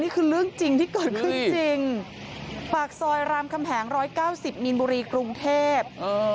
นี่คือเรื่องจริงที่เกิดขึ้นจริงปากซอยรามคำแหง๑๙๐มีนบุรีกรุงเทพ